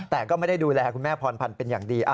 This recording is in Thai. แต่ก็ไม่ได้ดูแลคุณแม่พรพันธ์เป็นอย่างดี